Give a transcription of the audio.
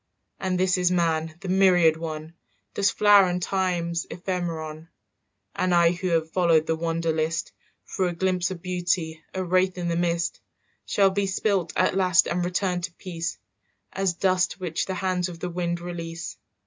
"And this is man, the myriad one, Dust's flower and time's ephemeron. "And I who have followed the wander list For a glimpse of beauty, a wraith in the mist, "Shall be spilt at last and return to peace, As dust which the hands of the wind release.